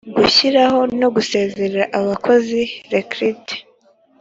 gushyiraho no gusezerera abakozi recruter